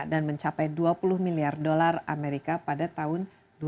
dan mencapai dua puluh miliar dolar amerika pada tahun dua ribu dua puluh